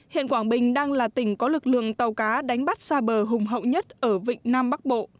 hiện quảng bình đang là tỉnh có lực lượng tàu cá đánh bắt xa bờ hùng hậu nhất ở vịnh nam bắc bộ